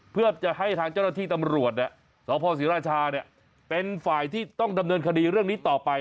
เพื่อจะให้ทางเจ้าหน้าที่ตำรวจสพศรีราชาเป็นฝ่ายที่ต้องดำเนินคดีเรื่องนี้ต่อไป